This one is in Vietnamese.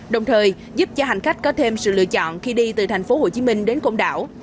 đồng thời giúp cho hành khách có thêm sự lựa chọn khi đi từ thành phố hồ chí minh đến công đảo